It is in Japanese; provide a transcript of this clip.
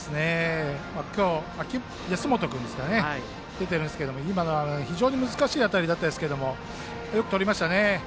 今日、安本君が出てるんですけど非常に難しい当たりでしたがよくとりましたね。